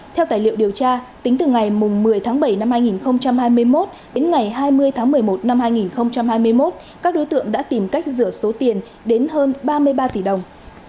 theo tài liệu điều tra tính từ ngày một mươi tháng bảy năm hai nghìn hai mươi một đến ngày hai mươi tháng một mươi một năm hai nghìn hai mươi một các đối tượng đã tìm cách rửa số tiền đến hơn ba mươi ba tỷ đồng